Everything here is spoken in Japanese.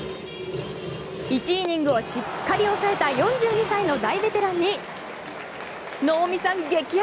１イニングをしっかり抑えた４２歳の大ベテランに能見さん激熱。